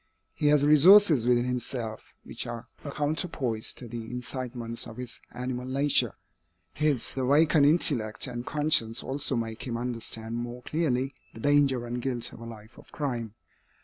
He has resources within himself, which are a counterpoise to the incitements of his animal nature. His awakened intellect and conscience also make him understand more clearly the danger and guilt of a life of crime.